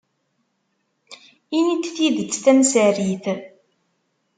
Ini-d tidet tamsarit.